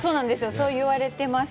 そう言われてます。